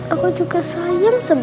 aku juga sayang sama bunda